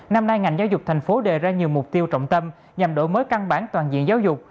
năm nay ngành giáo dục thành phố đề ra nhiều mục tiêu trọng tâm nhằm đổi mới căn bản toàn diện giáo dục